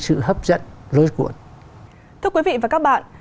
sự hấp dẫn rối cuộn thưa quý vị và các bạn